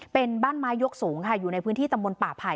เป็นบ้านไม้ยกสูงค่ะอยู่ในพื้นที่ตำบลป่าไผ่